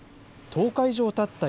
１０日以上たった